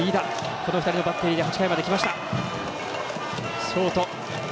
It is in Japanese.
この２人のバッテリーで８回まできました。